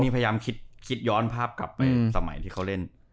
นี่พยายามคิดย้อนภาพกลับไปสมัยที่เขาเล่น